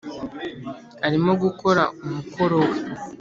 arimo gukora umukoro we